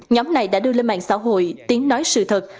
nhóm này đã đưa lên mạng xã hội tiếng nói sự thật